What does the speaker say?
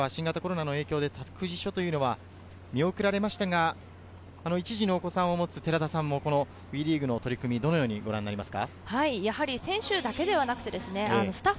開幕戦は新型コロナの影響で託児所の設置は見送られましたが、１児のお子さんを持つ寺田さんもこのＷＥリーグの取り組み、どのようにご覧になりますか？